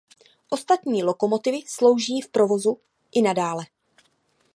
Ostatní lokomotivy slouží v provozu i nadále.